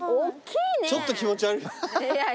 ちょっと気持ち悪い。